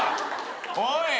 おい。